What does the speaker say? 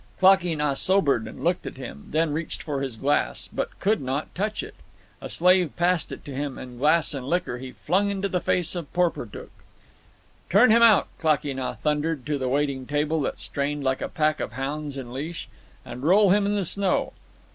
Klakee Nah sobered and looked at him, then reached for his glass, but could not touch it. A slave passed it to him, and glass and liquor he flung into the face of Porportuk. "Turn him out!" Klakee Nah thundered to the waiting table that strained like a pack of hounds in leash. "And roll him in the snow!"